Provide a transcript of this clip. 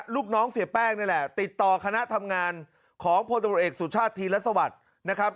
ลูกน้องเสียแป้งนี่แหละติดต่อคณะทำงานของพศสุชาธิรัฐสวรรค์นะครับ